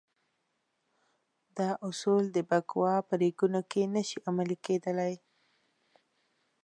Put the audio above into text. دا اصول د بکواه په ریګونو کې نه شي عملي کېدلای.